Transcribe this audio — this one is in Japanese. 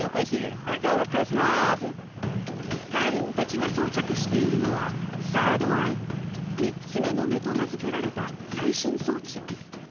隊員たちが装着しているのは３ｒｄ−ＥＹＥ３つ目の目と名付けられた最新装置。